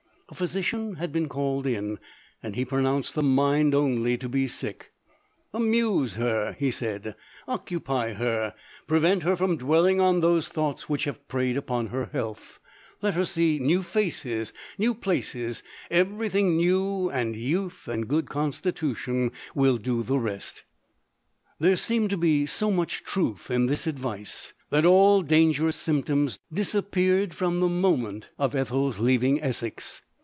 A physician had been called in, and lie pronounced the mind only to be sick. " Amuse her," he said, " oc cupy her — prevent her from dwelling on tho thoughts which have preyed upon her health : let her see new faces, new places, every thing new — and youth, and a good constitution, will do the rest. 11 There seemed so much truth in this advice, that all dangerous symptoms disappeared from the moment of Ethel's leaving Essex.